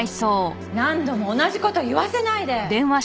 何度も同じ事言わせないで。